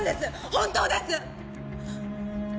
本当です！